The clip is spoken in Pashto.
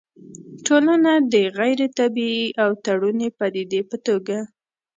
ټولنه د غيري طبيعي او تړوني پديدې په توګه